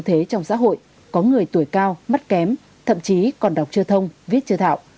thế trong xã hội có người tuổi cao mắt kém thậm chí còn đọc chưa thông viết chưa thạo